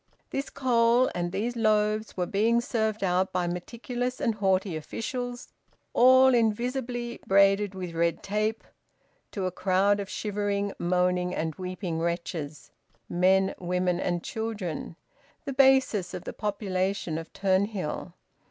This coal and these loaves were being served out by meticulous and haughty officials, all invisibly, braided with red tape, to a crowd of shivering, moaning, and weeping wretches, men, women and children the basis of the population of Turnhill.